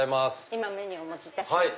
今メニューお持ちいたします。